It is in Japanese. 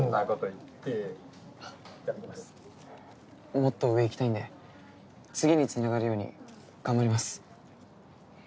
もっと上行きたいんで次につながるように頑張ります。